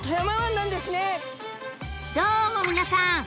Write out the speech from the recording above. どうも皆さん！